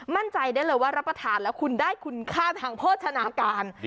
มั่นใจได้เลยว่ารับประทานแล้วคุณได้คุณค่าทางโภชนาการ